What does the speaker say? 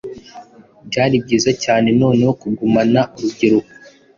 Byari byiza cyane noneho kugumana urubyiruko